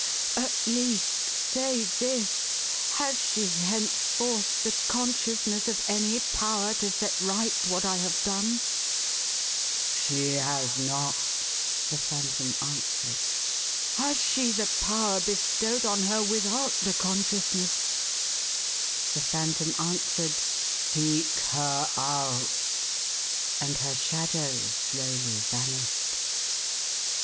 " At least, say this — has she, henceforth, the consciousness of any power to set right what I have done ?" "She has not," the Phantom answered. " Has she the power bestowed on her without the conscious ness ?" The Phantom answered :" Seek her out."" And her shadow slowly vanished.